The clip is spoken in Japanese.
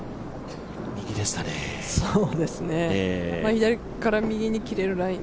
左から右に切れるライン。